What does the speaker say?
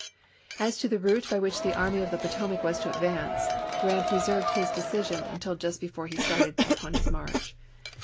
As to the route by which the Army of the Poto mac was to advance. Grant reserved his decision until just before he started upon his march.